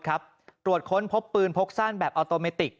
ตรวจค้นพบปืนพกสั้นแบบออโตเมติก